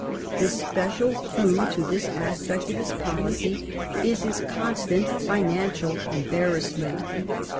The special clue to this aspect of his policy is his con stant financial embarrassment.